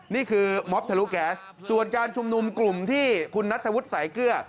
นี่คือม็อบทะลุแก๊สส่วนการชุมนุมกลุ่มที่คุณนัทธวุฒิสายเกลือ